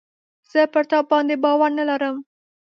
زه پر تا باندي باور نه لرم .